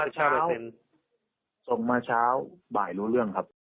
ลส่งมาเช้าบ่ายรู้เรื่อง